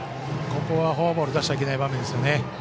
ここはフォアボールを出してはいけない場面ですよね。